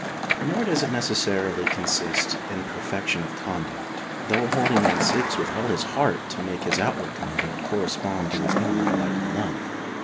Nor does it necessarily consist in perfection of conduct, though a holy man seeks with all his heart to make his outward conduct correspond to his in ward light and love.